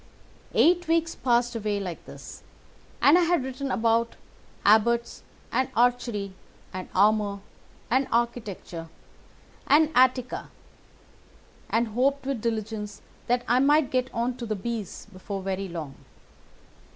"Eight weeks passed away like this, and I had written about Abbots and Archery and Armour and Architecture and Attica, and hoped with diligence that I might get on to the B's before very long.